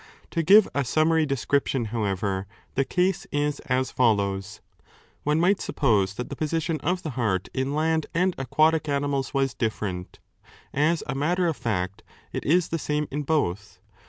To give a summary descrip tion, however, the case is as follows : One might suppose 3 that the position of the heart in land and aquatic animals was different ; as a matter of fact, it is the same in both.